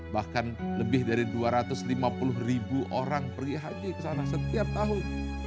bahkan lebih dari dua ratus lima puluh ribu orang pergi haji ke sana setiap tahun